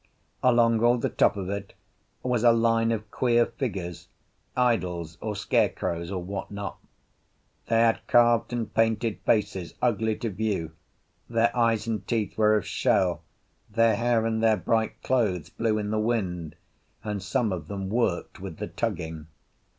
Along all the top of it was a line of queer figures, idols or scarecrows, or what not. They had carved and painted faces ugly to view, their eyes and teeth were of shell, their hair and their bright clothes blew in the wind, and some of them worked with the tugging.